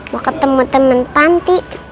mau ketemu teman panti